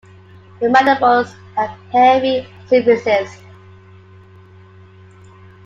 The mandibles have heavy symphysis.